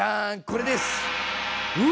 これです！